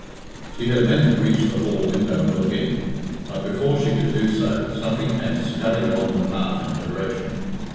She had meant to reach the hall window and look in, butt before she could do so, something came scudding along the path in her direction.